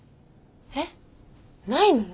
えっ？ないの？